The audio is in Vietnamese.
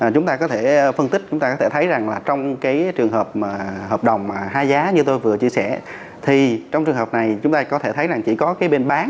chúng ta có thể phân tích chúng ta có thể thấy rằng là trong cái trường hợp mà hợp đồng mà hai giá như tôi vừa chia sẻ thì trong trường hợp này chúng ta có thể thấy rằng chỉ có cái bên bán